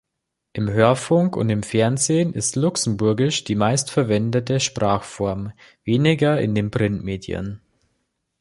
Im Hörfunk und im Fernsehen ist Luxemburgisch die meistverwendete Sprachform, weniger in den Printmedien.